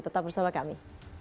tetap bersama kami